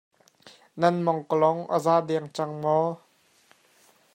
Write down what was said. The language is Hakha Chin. Na mangkawlong an za dengmang cang.